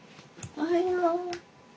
おはよう。